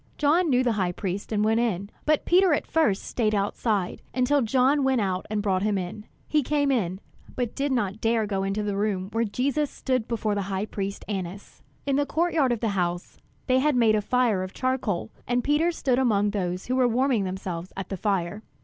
John knew the high priest and went in; but Peter at first stayed outside, until John went out and brought him in. He came in, but did not dare to go into the room where Jesus stood before the high priest Annas. In the court yard of the house, they had made a fire of charcoal, and Peter stood among those who were warming themselves at the fire.